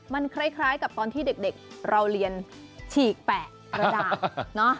มันคล้ายกับตอนที่เด็กเราเรียนฉีกแปะกระดาษ